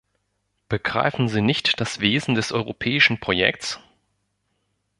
Begreifen Sie nicht das Wesen des europäischen Projekts?